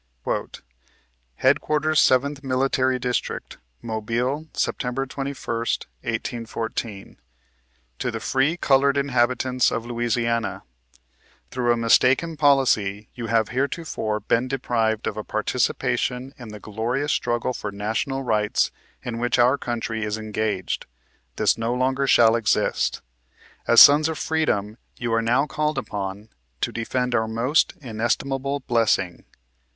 " Headquarters 1th Military District. Mobile, Sejotember 21, 1814. " To the Free Colored Inhabitants of Louisiana :" Through a mistaken policy you have heretofore been deprived of a participation in the glorious struggle for national rights in which our country is engaged. This no longer shall exist. " As sons of freedom, you are now called upon to defend our most inestimable blessing.